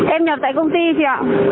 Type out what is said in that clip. em nhập tại công ty chị ạ